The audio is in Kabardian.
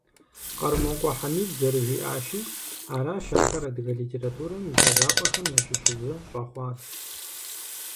Къэрмокъуэ Хьэмид зэрыжиӀащи, аращ ахэр адыгэ литературэм и лъагапӀэхэм ящыщ зы щӀэхъуар.